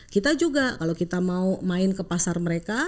kita juga kalau kita mau main ke pasar mereka